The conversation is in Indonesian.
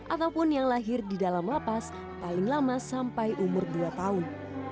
ataupun yang lahir di dalam lapas paling lama sampai umur dua tahun